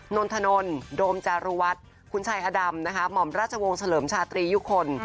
นนทนนโดมจารุวัฒน์คุณชายอดำนะคะหม่อมราชวงศ์เฉลิมชาตรียุคล